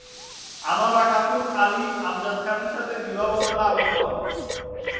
আনোয়ারা খাতুন আলী আমজাদ খানের সাথে বিবাহ বন্ধনে আবদ্ধ হন।